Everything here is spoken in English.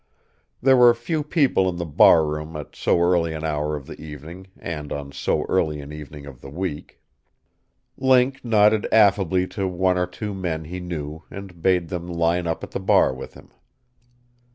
There were few people in the barroom at so early an hour of the evening and on so early an evening of the week. Link nodded affably to one or two men he knew and bade them line up at the bar with him.